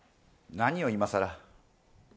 何をいまさら。